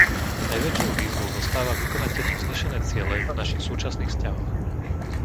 Najväčšou výzvou zostáva vykonať tieto vznešené ciele v našich súčasných vzťahoch.